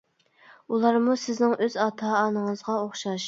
ئۇلارمۇ سىزنىڭ ئۆز ئاتا ئانىڭىزغا ئوخشاش!